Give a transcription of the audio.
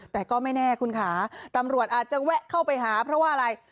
แต่ก็ไม่แน่คุณค่ะตำรวจอาจจะแวะเข้าไปหาเพราะว่าอะไร